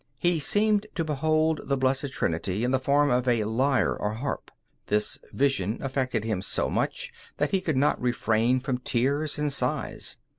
He seemed to behold the Blessed Trinity in the form of a lyre or harp; this vision affected him so much that he could not refrain from tears and sighs.